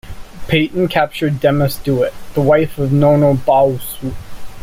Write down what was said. Peyton captured Demasduwit, the wife of Nonosbawsut.